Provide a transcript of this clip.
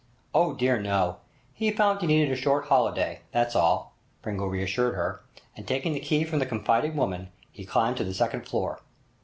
'Oh dear no! He found he needed a short holiday, that's all,' Pringle reassured her, and taking the key from the confiding woman he climbed to the second floor.